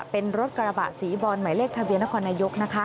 เป็นรถกระบะสีบอลหมายเลขทะเบียนนครนายก